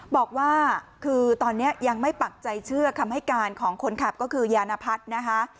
บอกว่าคือตอนนี้ยังไม่ปักใจเชื่อคำให้การของคนขับก็คือยานพัฒน์นะคะ